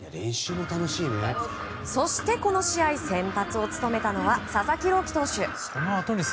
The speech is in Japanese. そして、この試合先発を務めたのは佐々木朗希投手。